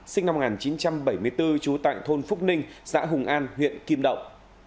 sinh năm một nghìn chín trăm bảy mươi bốn trú tại thôn phúc ninh xã hùng an huyện kim động